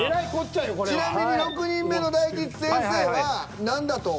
ちなみに６人目の大吉先生は何だと？